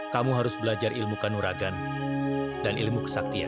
kamu harus belajar ilmu kanuragan dan ilmu kesaktian